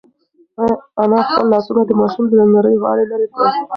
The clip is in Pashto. انا خپل لاسونه د ماشوم له نري غاړې لرې کړل.